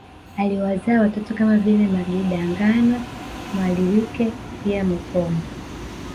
Aliwazaa watoto kama vile Magidangana Mhalwike pia Mupoma